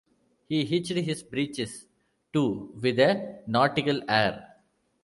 He hitched his breeches, too, with a nautical air.